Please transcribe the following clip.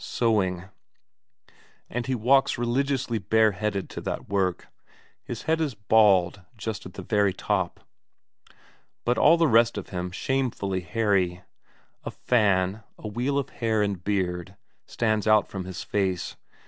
Sowing and he walks religiously bareheaded to that work; his head is bald just at the very top, but all the rest of him shamefully hairy; a fan, a wheel of hair and beard, stands out from his face.